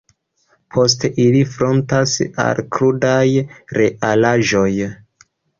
Poste ili frontas al krudaj realaĵoj.